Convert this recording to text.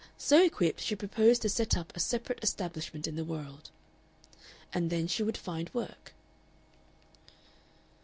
So equipped, she proposed to set up a separate establishment in the world. And then she would find work.